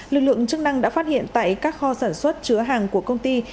lực lượng chức năng đã phát hiện tại các kho sản xuất chứa hàng của công ty